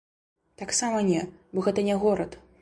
Таксама не, бо гэта не горад.